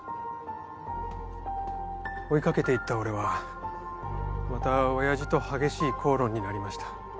追い掛けて行った俺はまた親父と激しい口論になりました。